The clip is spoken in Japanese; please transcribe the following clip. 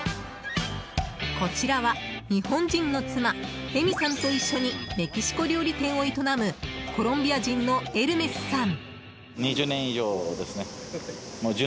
こちらは日本人の妻恵美さんと一緒にメキシコ料理店を営むコロンビア人のエルメスさん。